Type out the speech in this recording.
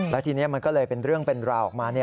แล้วทีนี้มันก็เลยเป็นเรื่องเป็นราวออกมา